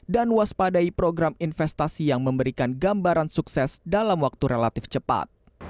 dan waspadai program investasi yang memberikan gambaran sukses dalam waktu relatif cepat